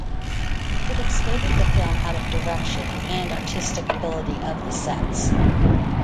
Critics favored the film out of direction, and artistic ability of the sets.